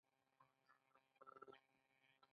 په ساختمان کې ودانۍ جوړیږي.